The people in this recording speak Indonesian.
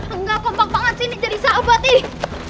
enggak kompak banget sih ini jari sahabat nih